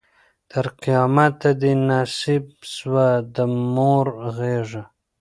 تر قیامته دي نصیب سوه د مور غیږه